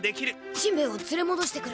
しんべヱをつれもどしてくる。